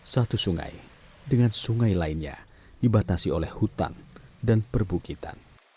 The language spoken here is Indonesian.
satu sungai dengan sungai lainnya dibatasi oleh hutan dan perbukitan